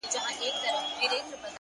پرمختګ د زده کړې له دوام زېږي،